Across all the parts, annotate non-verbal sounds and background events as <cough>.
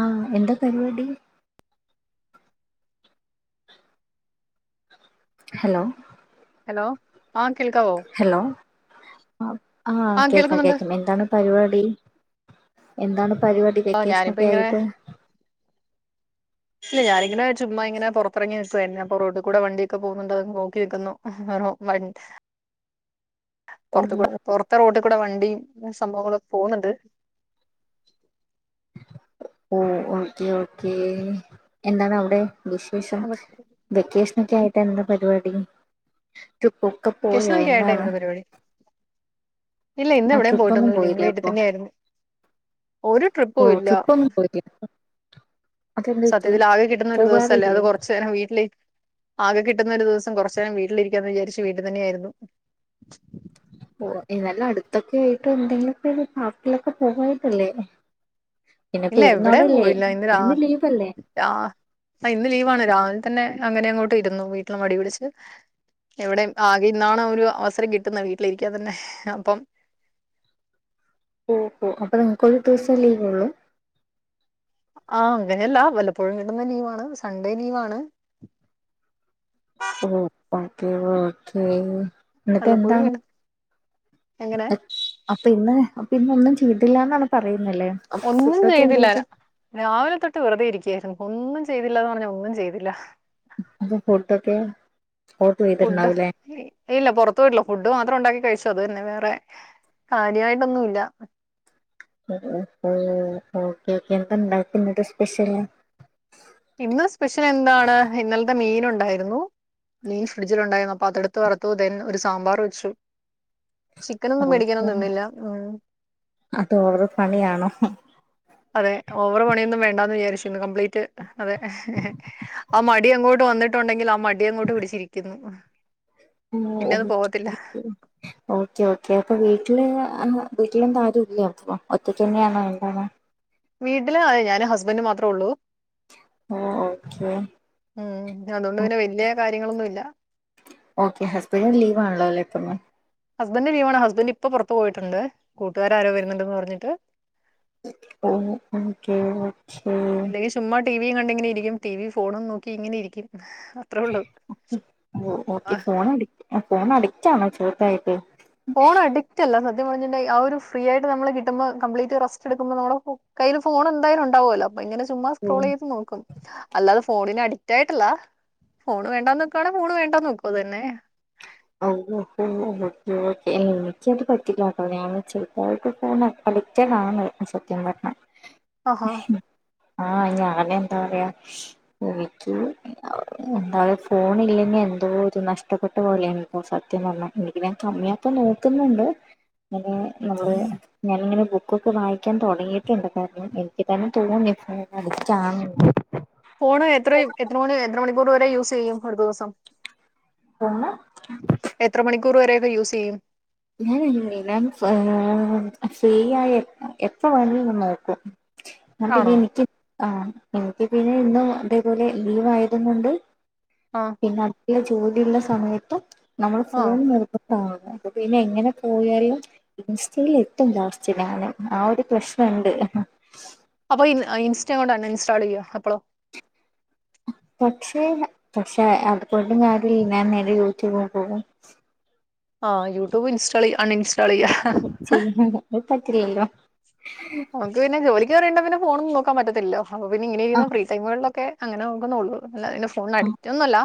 ആഹ് എന്താ പരിപാടി hello hello ആഹ് കേൾക്കാവോ ഹലോ ആഹ് കേക്കാം കേക്കാം എന്താണ് പരിപാടി ടി എന്താണ് പരിപാടി ആഹ് ഞാനിപ്പോ വൊക്കേഷനൊക്കെ ഇങ്ങനെ ആയിട്ട് ഇല്ല ഞാനിങ്ങനെ ചുമ്മാ ഇങ്ങനെ പോറത്തിറങ്ങി നിക്കുവായിരുന്നു അപ്പോ റോഡി കൂടെ വണ്ടിയോക്കെ പോകുന്നുണ്ടോ നോക്കി നിക്കുന്നു <unintelligible> പോർത്ത് ഓഹ് കൂടെ പോറത്തെ റോഡ് കൂ കൂടെ വണ്ടിയും സംഭവങ്ങളൊക്കെ പോവ്ന്ന്ണ്ട് ഓ ഓക്കെ ഓക്കെ എന്താണ് ഔടെ വിശേഷം വെക്കേഷൻ വെക്കേഷനൊക്കെ ആയിട്ട് എന്താ പരിപാടി ട്രിപ്പൊക്കെ പോയോ ഒക്കെ ആയിട്ട് എന്താണ്? എന്ത് പരിപാടി ഇല്ല ഇന്ന് ആ എവിടെയും ട്രിപ്പൊന്നും പോയിട്ടൊന്നുല്ല ഇന്ന് പോയില്ലേ വീട്ട് അപ്പൊ തന്നെ ആയിരുന്നു ഒര് ട്രിപ്പു ഓഹ് ഇല്ല ട്രിപ്പൊന്നും പോയില്ലേ അതെന്ത് പറ്റി സത്യത്തില് ആകെ കിട്ടുന്ന ഒരു ദിവസല്ലേ പോകാറില്ലേ അത് കോർച്ച് നേരം വീട്ടില് ആകെ കിട്ടുന്ന ഒരു ദിവസം കൊർച്ചേരം വീട്ടിലിരിക്കാന്ന് വിചാരിച്ചു വീട്ട് തന്നെ ആയിരുന്നു പോവ എതായാലും അടുത്തൊക്കെ ആയിട്ട് എന്തെങ്കിലുക്കെ പാര്‍ക്കിലൊക്കെ പോവായിട്ടല്ലേ ഇല്ല എവിടെം പോയില്ല ഇന്ന് രാ ഇന്ന് ലീവാണ് രാവിൽ തന്നെ അങ്ങനെ അങ്ങോട്ട് ഇരുന്നു വീട്ടില് മടി പിടിച്ച് എവിടേം ആകെ ഇന്നാണ് ഒരു അവസരം കിട്ടുന്നെ വീട്ടിലിരിക്കാൻ തന്നെ അപ്പം ഓ ഓ അപ്പ നിങ്ങക്കൊരു ദിവസം ലീവോള്ളൂ ആഹ് അങ്ങനെല്ല വല്ലപ്പോഴും കിട്ടുന്ന ലീവാണ് സൺഡേ ലീവാണ് ഓ ഓക്കെ ഓക്കെ വല്ലപ്പോഴും എന്നിട്ടെന്താണ്? കിട്ടും അങ്ങനെ അപ്പ ഇന്ന് അപ്പ ഇന്ന് ഒന്നും ചെയ്തില്ലന്നാണോ പറയ് ഒന്നും ചെയ്തില്ല രാവിലെ തൊട്ട് വെർതെ ഇരിക്കായിരുന്നു ഒന്നും ചെ ചെയ്തില്ലാന്ന് പർഞ്ഞ ഒന്നും ചെയ്തില്ല അപ്പോ ഫുഡോക്കെ ഫുഡ് ഇല്ല പോർത്ത് പോയിട്ടില്ല ഫുഡ് മാത്രം ഉണ്ടാക്കി കഴിച്ച് ട്ട് അത് തന്നെ വേറെ കാര്യായിട്ടൊന്നുല്ല <unintelligible> ഓക്കെ ഓക്കെ എന്താ ഇണ്ടാക്കിയെ ഞ്ഞ്ട്ട് സ്പെഷ്യല് ഇന്ന് സ്പെഷ്യൽ എന്താണ് ഇന്നലത്തെ മീൻ ഉണ്ടായിരുന്നു മീൻ ഫ്രിഡ്ജിൽണ്ടായിരുന്നു അപ്പൊ അതടുത്ത് വറുത്തു ദെൻ ഒരു സാമ്പാർ വെച്ചു ചിക്കനൊന്നും മേടിക്കാനൊന്നും നിന്നില്ല ഉ അത് ഓവർ പണിയാണോ അതെ ഓവർ പണി, യൊന്നും വേണ്ടാന്ന് വിചാരിച്ചിന്ന് ഇന്ന് കംപ്ലീറ്റ് അതെ ആ മടി അങ്ങോട്ട് വന്നിട്ടുണ്ടെങ്കിൽ ആ മടി അങ്ങോട്ട് പിടിച്ചിരിക്കുന്നു ഓ പിന്നെ അത് പോകത്തില്ല <unintelligible> ഓക്കെ ഓക്കെ അപ്പൊ വീട്ടില് ആ വീട്ടിലെന്താ ആരും ഇല്ല പ്പ ഒറ്റക്കന്നെണോ എന്താണ് വീട്ടിലാണ് ഞാനും ഹസ് ബെൻഡും മാത്രേള്ളൂ ഓഹ് ഓക്കെ മ് അതോണ്ട് പിന്നെവല്യ കാര്യങ്ങളൊന്നുംല്ല ഓക്കെ ഹസ്ബൻഡന്റെ ലീവ് ആണല്ലോ പ്പം ഇന്ന് ഹസ്ബന് ലീവാണ് ഹസ്ബൻറ് ഇപ്പൊ പുറത്ത്പോയിട്ടുണ്ട് കൂട്ടുകാര ആരോ വരുന്നുണ്ട്ന്ന് പറഞ്ഞിട്ട് ഓ ഓക്കെ ഓക്കെ അല്ലെങ്കിൽ ചുമ്മാ ടിവിയും കണ്ട ഇങ്ങനെ ഇരിക്കും ടി വി ഫോണും നോക്കി ഇങ്ങനെ ഇരിക്കും അത്രേ ഉള്ളൂ ഓ ഓക്കെ ഫോൺ ഫോൺ അടക്റ്റ്ണോ ചോർത്തായിട്ട് ഫോൺ അഡിക്റ്റല്ല സ സത്യം പറന്നിട്ടുണ്ടങ്കിൽ ആ ഒരു ഫീ റിആയിട്ട് നമ്മ കിട്ടുമ്പോ കംപ്ീറ്റ് റസ്റ്റ് എടുക്കുമോ നമ്മ കയിൽ ഫോൺ എന്തായാലുംണ്ടാവുല്ലോ അപ്പ ഇങ്ങനെ ചുമ്മാ സ്ക്രോൾ ഉം ചെയ്ത് നോക്കും അല്ലാതെഫോണിന് അഡി റ്റായിട്ടില്ല ഫോണ് വേണ്ടാ ന്ന്ക്കുവാണേ ഫോൺ വേണ്ടാ ന്ന് വെക്കും അത്‌തന്നെ ഓ ഓ ഓ ഓ എനിക്കത് പറ്റില്ല ട്ടോ ഞാൻ ചെറുതായിട്ട് ഫോൺ അ ഡിറ്റ ടാണ് അ സത്യംപറഞ്ഞാ അ ഹാ ആ ഞാന എന്താ പറയാഎനിക്ക് ന്താഫോണി ല്ലെങ്കി എ ന്തോ രു നഷ്ടപ്പെട്ട പോലെണ് പ്പ സത്യം പറഞ്ഞാഎനിക്ക് ഞാൻ കമ്മിയാക്ക നോക്കുന്നുണ്ട് അങ്ങനെ നമ്മള് ഞാനിങ്ങനെ ബുക്കൊക്കെ വായിക്കാൻ തുടങ്ങിയിട്ടുണ്ട് കാരണം എനിക്ക് തന്നെ തോന്നി ഫോൺ അടിറ്റാണെന്ന് ഫോണ് എത്ര എത്ര മണി എത്ര മണിക്കൂർ വരെ യൂസ് ചെയ്യും ഒരു ദിവസം ഫോണ് എത്ര മണിക്കൂർ വരൊക്കെ യൂസ് ചെയ്യും ഞൻ അങ്ങനെ ല്ലഫ്രീയായാൽ എപ്പോ വേണക്കിം ന്ന്നോക്കും ഞാ പിന്നെ ആണോ എനിക്ക് അ എനിക്ക് പിന്നെ ഇന്നും അതേപോലെ ലീവ് ആയ ത് കൊണ്ട് ആഹ് പിന്നെ അ ജോലിയുള്ള സമയത്ത് നമ്മൾ ആഹ് നിർബന്ധ ആണ <unintelligible> പിന്നെ എങ്ങനെ പോയലും ഇൻസ്റ്റൽ എത്തും ലാസ്റ്റ് ഞാൻ അ ഒരു പ്രശ്നണ്ട് അപ്പൊ ഇ ഇൻസ്റ്റ കൊണ്ട് അൺ ഇൻസ്റ്റാൾ ചെയ്യ അപ്പോളോ പക്ഷെ പക്ഷെ അതുകൊണ്ട് ഞാൻ നേരെ യൂ ടൂബിൽ പോകും അ യൂട്യൂബ് ഇൻസ്റ്റാൾ ചെയ്യ അൺഇൻസ്റ്റാൾ ചെയ്യ ചെയ്യും അത് പറ്റില്ലല്ലോ നമക്ക് പിന്നെ ജോലിക്ക് കേറീണ്ടങ്കിൽ പിന്നെ ഫോണന്നും നോ ക്കാൻപറ്റത്തില്ല അപ്പ പിന്നെ ഇങ്ങന ആ ഇരിക്കുന്ന ഫ്രീടൈ മുകളിലൊക്കെ അങ്ങനെ നോക്കുന്നുള്ളൂ അല്ല അന്റെ ഫോണ് ന് അഡിക്റ്റ് ഒന്നുംല്ല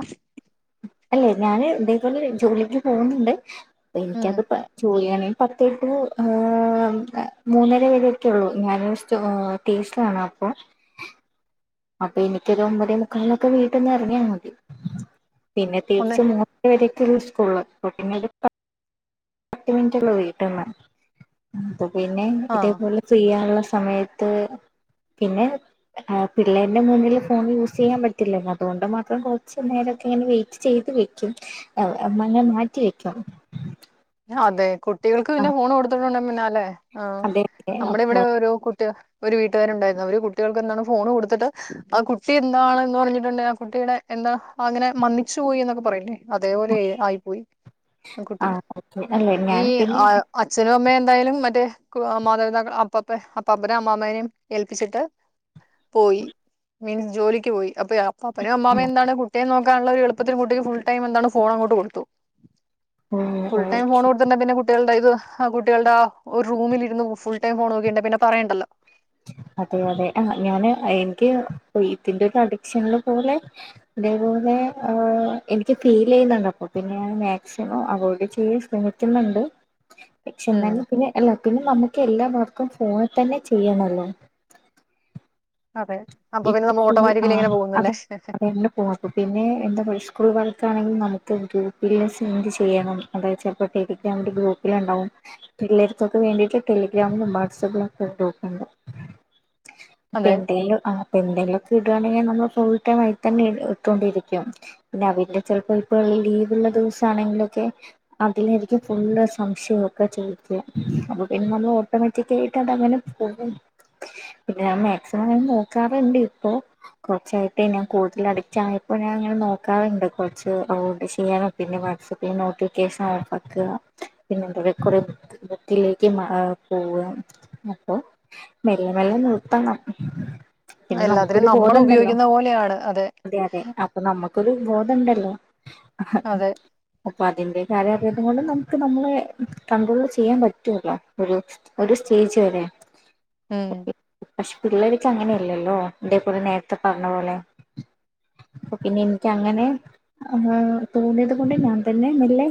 അല്ലെ ഞാന് ഇതേപോലെ ജോലിക്ക് പോകുന്നുണ്ട് അ ഉം എനിക്കത് ജോലിയാണെ പത്തേ ടു മൂന്നര വേരൊക്കെ ഉള്ളൂ ഞാൻ സ്റ്റ ടേസ്റ്റ് കാണാം പ്പം അപ്പൊ എനിക്കൊരു ഒമ്പതേ മുക്കാലിനൊക്കെ വീട്ടന്ന് ഇറങ്ങിയാൽ മതി പിന്നെ ഒന്ന് തീരിച്ച മൂന്ന് വരെക്കള്ളൂ സ്കൂൾ അപ്പം പിന്നെ രു പത്ത് മിനിറ്റ്ള്ളൂ വീട്ടന്ന് അപ്പ പിന്നെ ആഹ് ഇതേപോലെ ചെയ്യാനുള്ള സമയത്ത് പിന്നെ പിള്ളേരുടെ മുന്നില് ഫോൺ യൂസ് ചെയ്യാൻ പറ്റില്ല അതുകൊണ്ട് മാത്രം കൊറച്ചു നേരം ങ്ങനെ വെയിറ്റ് ചെയ്ത് വെക്കും അങ്ങനെ മാറ്റി വെക്കും അതെ കുട്ടികൾക്ക് പിന്നെ ഫോൺ കൊടുത്തിട്ടുണ്ട പിന്നാലെ അതെ അതെ ആനമ്മുടെ അപ്പൊ ഇവിടെ ഒരു കുട്ടി ഒരു വീട്ടുകാരു ഉണ്ടായിരുന്നു അവര് കുട്ടികൾക്ക് എന്താണ് ഫോൺ കൊടുത്തിട്ട് ആ കുട്ടി എന്താണന്ന് പറഞ്ഞിട്ടുണ്ട് ആ കുട്ടിയുടെ എന്താ അങ്ങനെ മന്നിച്ചു പോയി എന്നൊക്കെ പറയില്ലേ അതേപോലെ ആയി പോയി ആ അല്ലെ ഈ ഞാൻ പിന്നെ ആഹ് അച്ഛനും അമ്മയെ എന്തായാലും മറ്റേ കു മാതപിതാക്കള് അപ്പാപ്പെ അപ്പാപ്പനേും അമ്മാമ്മനേം ഏൽപ്പിച്ചിട്ട് പോയി മീൻസ് ജോലിക്ക് പോയി. അപ്പേ അപ്പാപ്പനും അമ്മാമ്മയും എന്താണ് കു ട്ടിയെ നോക്കാന്ള്ളരു എളുപ്പത്തിന് കുട്ടിക്ക് ഫുൾ ടൈം എന്താണ് ഫോണങ്ങോട്ട് കൊടുത്തു ഉം ഫുൾ ടൈം ഫോണ് കൊട്ത്ത്ണ്ടേ പിന്നെ കുട്ടികള്ടെ കയ്യില് <unintelligible> കുട്ടികള്ടെ ആ ഒരു റൂമിലിര്ന്ന് ഫുൾ ടൈം ഫോണ് നോക്കിണ്ടേ പിന്നെ പറയണ്ടല്ലോ അതെ അതെ ആഹ് ഞാന് എനിക്ക് ഇതിന്റെ ഒരു അഡിക്ഷനല് പോലെ ഇതേപോലെ ഏഹ് ആഹ് എനിക്ക് ഫീലെയ്യുന്നുണ്ട് അപ്പോ പിന്നെ ഞാൻ മാക്സിമം അവോയ്ഡ് ചെയ്യാൻ ശ്രമിക്ക്യുന്നുണ്ട് പക്ഷേ ഉം എന്നാലും പിന്നെ എല്ലാത്തിനും നമുക്ക് എല്ലാ വർക്കും ഫോണിത്തന്നെ ചെയ്യണം <unintelligible> അതെ അപ്പൊ ഇപ്പ പിന്നെ നമ്മൾ ഫുൾ ഓട്ടോമാറ്റിക്കലി ഇങ്ങനെ ആഹ് അത് പോകുന്നല്ലേ അതെ <unintelligible> പിന്നെ എന്താ <unintelligible> സ്കൂള് വർക്കാണെങ്കി നമുക്ക് ഗ്രൂപ്പില് സെൻഡ് ചെയ്യണം അതായത് ചെലപ്പോ ടെലിഗ്രാമില് ഗ്രൂപ്പില്ണ്ടാവും ഉം പിള്ളേര്ക്കൊക്ക് വേണ്ടീട്ട് ടെലിഗ്രാമിലും വാട്സആപ്പിലും ഒക്കെ ഗ്രൂപ്പ്ണ്ട് അപ്പ അതെ എന്തേലു ആഹ് എന്തേലൊക്കെ ഇടാണെങ്കി നമ്മ ഫുൾ ടൈം അയി തന്നെ ഇ ഇട്ടോണ്ടിരിക്കും പിന്നെ <unintelligible> ചെലപ്പോ <unintelligible> ലീവ്ള്ള ദിവസാണെങ്കിലൊക്കെ അതിലായിരിക്കും ഫുള്ള് സംശയൊക്കെ ചോയിക്ക്യാ അപ്പൊ പിന്നെ നമ്മള് ഓട്ടോമാറ്റിക്കായിട്ട് അതങ്ങനെ പോവും പിന്നെ മാക്സിമം ഞാന് നോ ക്കാറ്ണ്ട് ഇപ്പോ കൊറച്ചായിട്ട് ഞാൻ കൂടുതല് അഡിക്റ്റായപ്പോ ഞാൻ ഇങ്ങനെ നോക്കാറ്ണ്ട് കൊറച്ച് അവോയ്ഡ് ചെയ്യണം പിന്നെ വാട്സആപ്പി നോട്ടിഫിക്കേഷൻ ഓഫാക്കാ പിന്നെ എന്താ വേ കൊറേ ബുക്ക് <unintelligible> ട്ടിലേക്ക് മ ആഹ് പോവാ അപ്പൊ മെല്ലെ മെല്ലെ നിർത്തണം ഉം പിന്നെ എല്ലാത്തിനും നമുക്കൊരു നമ്മൾ ബോധണ്ടല്ലോ ഉപയോഗിക്കുന്ന പോലെയാണ് അതെ അതെ അപ്പം നമ്മക്കൊര് ബോധംണ്ടല്ലോ അതെ അപ്പൊ അതിന്റെ <unintelligible> കൊണ്ടും നമുക്ക് നമ്മളെ കണ്ട്രോളില് ചെയ്യാൻ പറ്റുവല്ലോ ഒരു ഒരു സ്റ്റേജ് വരെ ഉം പക്ഷെ പിള്ളർക്ക് അങ്ങനെയല്ലല്ലോ ഇതേപോലെ നേരത്തെ പറഞ്ഞ പോലെ അപ്പ പിന്നെ എനിക്ക് അങ്ങനെ ആഹ് തോന്നിയത് കൊണ്ട് ഞാൻ തന്നെ മെല്ലേ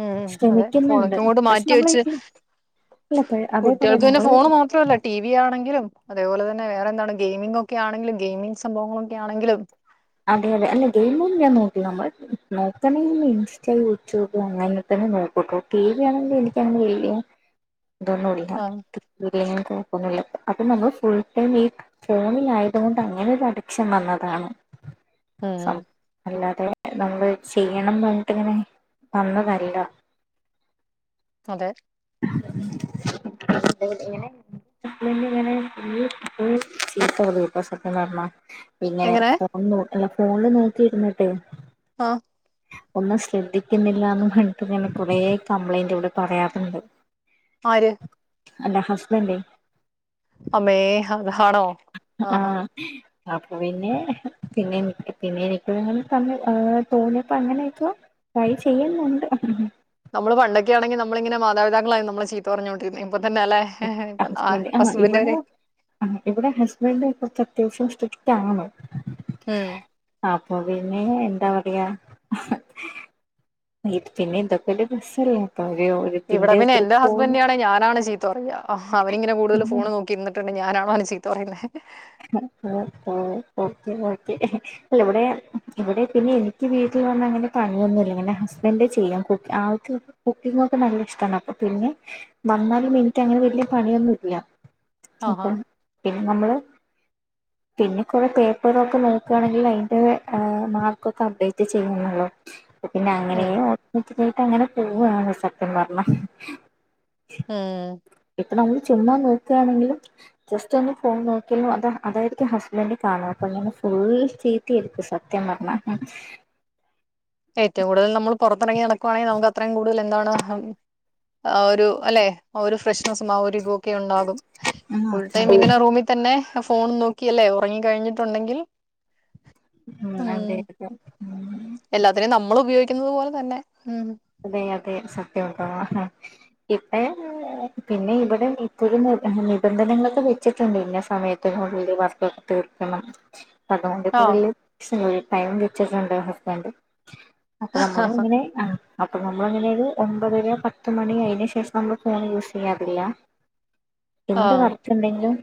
ഉം ഉം അതെ ഫോണൊക്കെ അങ്ങോട്ട് പക്ഷെ മാറ്റി നമ്മള് വെച്ച് ഇല്ല അതേപോലെ കുട്ടികൾക്ക് പിന്നെ നമ്മള് ഫോണ് മാത്രല്ല ടി വി ആണെങ്കിലും അതേപോലെ തന്നെ വേറെന്താ ഗെയിമിഗ് ഒക്കെ ആണെങ്കിലും ഗെയിമിംഗ് സംഭവങ്ങളൊക്കെ ആണെങ്കിലും അതെ അതെ അല്ല ഗെയിമൊന്നും ഞാൻ നോക്ക നമ്മ നോക്കണെങ്കിൽ ഇൻസ്റ്റ യൂട്യൂബ് അങ്ങനെ തന്നെ നോക്ക ട്ടോ ടി വി ആണെങ്കിൽ എനിക്കങ്ങനെ വെല്യ ഇതൊന്നുല്ല ആ <unintelligible> കൊഴപ്പൊന്നുല്ല അപ്പം നമ്മൾ ഫുൾ ടൈം ഈ ഫോണില് ആയത് കൊണ്ട് അങ്ങനെ ഒരു അഡിക്ഷൻ വന്നതാണ് ഉം സം അല്ല ത്തെ നമ്മള് ചെയ്യണം വേണ്ടിട്ട് ഇങ്ങനെ വന്നതല്ല അതെ ഇങ്ങനെ ഹസ്ബന്റ് ഇങ്ങനെ <unintelligible> <unintelligible> ഇങ്ങനെ എങ്ങനെ ഫോൺ നോക്കി അല്ല ഫോണില് നോക്കിയിരുന്നിട്ടെയ് ആഹ് ഒന്നും ശ്രദ്ധിക്കുന്നില്ലാന്ന് കണ്ടിട്ട് ഇങ്ങനെ കൊറേ കംപ്ലൈൻറ് ഇവടെ പറയാറുണ്ട് ആര്? അല്ല ഹസ്ബന്റെയ് അമ്മേ ഹ-ത ഹാണോ ആഹാ ആഹ് അപ്പൊ പിന്നെ പിന്നെ പിന്നെ എനിക്ക് നിങ്ങ ത തോന്നിയപ്പോ അങ്ങനെ ആയിക്കോ ട്രൈ ചെയ്യുന്നുണ്ട് നമ്മള് പണ്ടൊക്കൊണെങ്ക നമ്മളിങ്ങനെ മാതാപതളായി നമ്മള് ചീത പറഞ്ഞുകൊണ്ടിരിക്ക ഇപ്പൊ തന്നെ അല്ലേ ഹസ്ബന്ഡ വരെ ആ ഇവിടെ ഹസ്ബൻഡന്റെ കുറത്ത് അത്യാവഷൻ സ്ട്രിറ്റ്ണോ ഉം അപ്പൊ പിന്നെ എന്താ പറയാ ഇത് പിന്നെ ഇന്തൊക്കെ ബസ്സല്ലേ ഇവിടെ പിന്നെ എന്റെറെ ഹസ്ബൻറി ആാണ് ഞാനാണ്ീ ചീ പറയാ അവന ഇങ്ങനെ കൂടുതൽ ഫോണ് നോക്കിുണ്ട് ഞാനാണോ അന ചീത്ത പറയേ ഓ ഓേ അ ഇവിടെ ഇവിടെ പിന്നെ എനിക്ക് വീട്ടിൽ അ അങ്ങനെ പണിയൊന്നുംുമല്ലെങ്ങെ ഹസ്ബൻഡ് ചെയ്യും ആൾക്ക് കുക്കിങ്ങ ഒക്കെ നല്ല ഇഷ്ടമാണ് അപ്പ പിന്നെ വന്നാല് മിനിറ്റ് അങ്ങനെ വലിയ പണിയൊന്നും ഇല്ല ആഹാ അപ്പം പിന്നെ നമ്മള് പിന്നെ കുറെ പേപ്പറൊക്കെ നോക്കുകയാണെങ്കിൽ അതിന്റെ മാർക്കൊക്കെ അപ്ഡേറ്റ് ചെയ്യുന്നുള്ളോ പിന്നെ ഉം അങ്ങനെയ ഓട്ടോമറ്റിക്ക ആായിട്ട് അങ്ങനെ പോവാണ് സത്യം പറഞ്ഞ ഹം അ നമ്മൾ ചെന്നാൻ നോക്കുകയാണെങ്കിലും ജസ്റ്റ് ഒന്ന് ഫോൺ നോക്കിയ അതായിരിക്കും ഹസ്ബൻഡ് കാണുക അപ്പൊ ഞൻ ഫുൾ ചീത്തി എടുക്ക സത്യം പറഞ്ഞ ഏറ്റവും കൂടുതൽ നമ്മൾ പുറത്തിറങ്ങി നടക്കുവാണെങ്കിൽ നമുക്ക് അത്രയും കൂടുതൽ എന്താണ് ആ ഒരു അല്ലെ ഒരു ഫ്രഷ് ഒക്കെ ഉണ്ടാകും ഉം ഫുൾടൈ ഇങ്ങനെ റൂമിൽ തന്നെ ഫോൺ നോക്കിയല്ലേ ഉറങ്ങി കഴിഞ്ഞിട്ടുണ്ടെങ്കിൽ ഉം അതെ അതെ എല്ലാത്തിനെയും നമ്മൾ ഉപയോഗിക്കുന്നത് പോലെ തന്നെ ഉം അതെ അതെ ോ ഇപ്പ പിന്നെ ഇവിടെ ഇപ്പൊ നിബന്ധനകൊക്കെ ട്ടുണ്ട് ഇന്ന സമയത്തി മുള്ളിൽ വർക്കൊക്കെ തീർക്കണം ആ പതണ്ടടൈം കട്ടിട്ടുണ്ട് ഹസ്ബൻഡ് അപ്പൊ നമ്മള് ഇങ്ങനെ ആ അപ്പൊ നമ്മൾ അങ്ങനെൊ ഒരു ഒമ്പത് രൂ പത്ത് മണി അയന് ശേഷം നമ്മൾ ഫോൺ യൂസ് ചെയ്യാറില്ല ആ എന്ത് വർക്ക് ഉണ്ടെങ്കിലും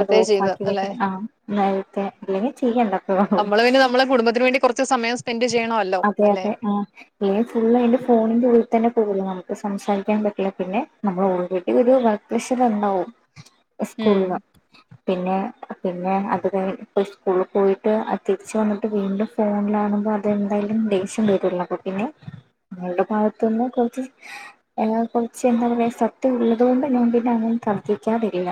അത് ഓഫ ചെയ്ത് ആക്കി അല്ലെ വെക്കണം ആ നേരത്തെ അല്ലെങ്കിൽ ചെയ്യണ്ട നമ്മള് വേണ്ടി നമ്മെ കുടുംബത്തിന് വേണ്ട കുറ അതെ അതെ ആ് ൻ ഫുള്ള് അയിന്റെ ഫോണിന്റെ ഉള്ളിൽ തന്നെ പോകുന്നു നൾ സംസാരിക്കാൻ പറ്റില്ല പിന്നെ നമ്മൾ ഓൾറെഡി ഒരു ബഡ് പ്രഷർണ്ടാവും ഉം സ്കൂളില പിന്നെ പിന്നെ അത്ഴ ഇ സ്കൂളിൽ പോയിട്ട് അത് തിരിച്ച വന്നിട്ട് വീണ്ടും ഫോൺ കാണുമ്പോ അത്െന്തായാലും ദേഷ്യം വട്ടള്ള അപ്പ പിന്നെ ഞങ്ങളുടെ ഭാഗത്തുനിന്ന് കുറച്ച് കുറച്ച് എന്താ പറയാ സത്യം ഉള്ളത്ുകൊണ്ട് ഞാൻ പിന്നെ അ കർദിക്കാതിരില്ല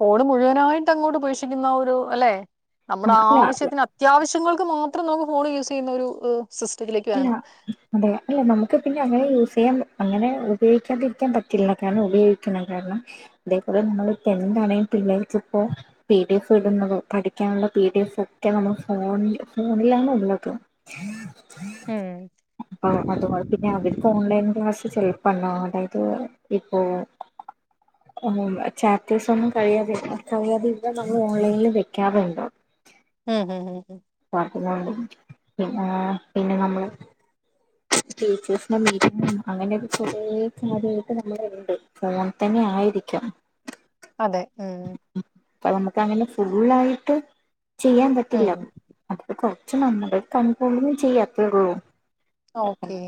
ഫട് മുഴുവനായിട്ട് അങ്ങോട്ട് പേക്ഷിക്കുന്ന ഒരു അല്ലെ നമ്മുടെ അല്ല ആവശ്യത്തിന് അത്യാവശ്യങ്ങൾ നക്ക് മാത്രം നമുക്ക് ഫോൺ യൂസ് ചെയ്യുന്ന ഒരു സിസ്റ്റത്തിലേക്ക് അല്ല വരണം അതെ അല്ല നമുക്ക് പിന്നെ അങ്ങനെ യ അം അങ്ങനെ ഉപയോഗിക്കാതിരിക്കാൻ പറ്റില്ല കാരണം ഉപയോഗിക്കണം കാരണം അതേപോലെ നമ്മൾ പെ ണ പിള്ളേക്ക് ഇപ്പോ പി ഡി എഫ് ഇടുന്നത് പഠിക്കാനുള്ള പി ഡി എഫ് ഒക്കെ നമ്മൾ ഫോണ ല്ലന ഉള്ളത്ത ഉം അപ്പ അതോ പിന്നെ അവർക്ക് ഓൺലൈൻ ക്ലാസ്സ് ച പ അതായത് ഇപ്പോൊ ആ ചാപ്റ്റേഴ്സ് ഒന്നും കഴാതിെ കഴിയാതെ ഇല്ല നമ്മൾ ഓൺലൈനിൽ വെക്കാറുണ്ടോ ഹംം ഹ <unintelligible> പിന്നെ നമ്മള് ടീച്ചേഴ്സിന്റെ മീറ്റിംഗ് അങ്ങനെ ഒരു കുറേ കാര്യായിട്ട് നമ്മള് ഉണ്ട് ഫോൺ തന്നെ ആയിരിക്കാം അതെ ഉം അപ്പൊ നമുക്ക് അങ്ങനെ ഫുള്ളായിട്ട് ചെയ്യാൻ ഉം പറ്റില്ല <unintelligible> പക്ഷേ നമ്മള് കണിക്കൊണ്ടും ചെയ്യത്തേഒള്ളൂ ഓക്കേ